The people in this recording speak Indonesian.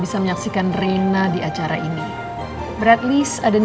saya permisi pak